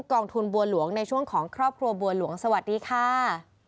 กองทุนบัวหลวงในช่วงของครอบครัวบัวหลวงสวัสดีค่ะ